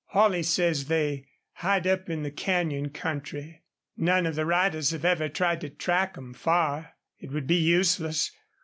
Holley says they hide up in the canyon country. None of the riders have ever tried to track them far. It would be useless.